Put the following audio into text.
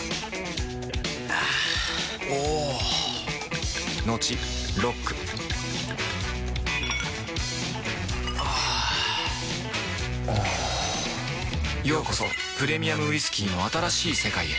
あぁおぉトクトクあぁおぉようこそプレミアムウイスキーの新しい世界へ